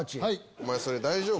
お前それ大丈夫？